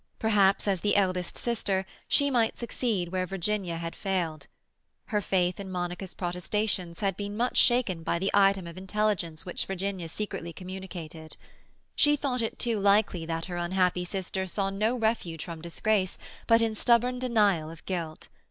Perhaps as the eldest sister she might succeed where Virginia had failed. Her faith in Monica's protestations had been much shaken by the item of intelligence which Virginia secretly communicated; she thought it too likely that her unhappy sister saw no refuge from disgrace but in stubborn denial of guilt.